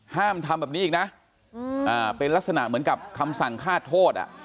ห้ามทำแบบนี้อีกนะเป็นลักษณะเหมือนกับคำสั่งฆาตโทษ